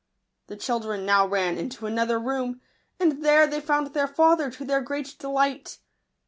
The children now ran into an other room ; and there they found their father, to their great delight.